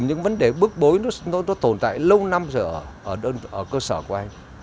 những vấn đề bức bối nó tồn tại lâu năm rồi ở cơ sở của anh